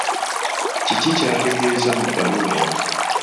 Kiki ky'ategeeza mu bbaluwa eno?